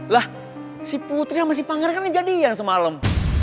lah si putri sama si panggara kan kejadian semalam